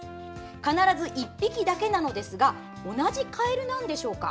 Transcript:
必ず１匹だけなのですが同じカエルなんでしょうか？